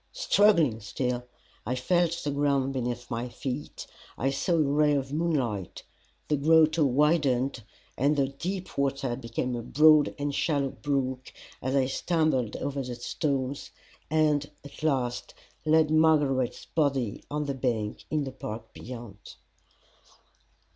Struggling still, I felt the ground beneath my feet, I saw a ray of moonlight the grotto widened, and the deep water became a broad and shallow brook as I stumbled over the stones and at last laid Margaret's body on the bank in the park beyond.